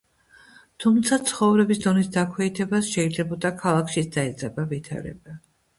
თუმცა ცხოვრების დონის დაქვეითებას შეიძლებოდა ქალაქშიც დაეძაბა ვითარება.